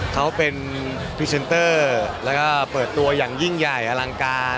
เขาเป็นพรีเซนเตอร์แล้วก็เปิดตัวอย่างยิ่งใหญ่อลังการ